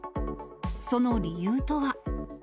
その理由とは。